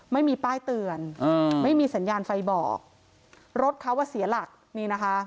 ไม่มีป้ายเตือนอ่าไม่มีสัญญาณไฟบอกรถเขาอ่ะเสียหลักนี่นะคะ